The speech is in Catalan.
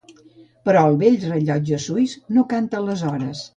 Però el vell rellotge suís no canta les hores.